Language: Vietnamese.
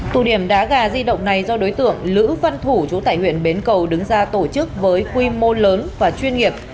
tụ điểm đá gà di động này do đối tượng lữ văn thủ trú tại huyện bến cầu đứng ra tổ chức với quy mô lớn và chuyên nghiệp